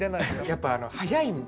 やっぱ速いんで。